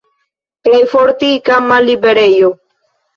Plej fortika malliberejo!